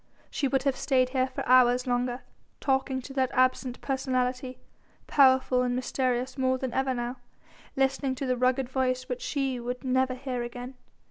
She would have stayed here for hours longer, talking to that absent personality, powerful and mysterious more than ever now, listening to the rugged voice which she would never hear again.